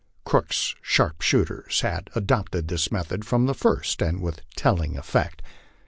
Cook's sharpshooters had adopted this method from the first, and with telling effect.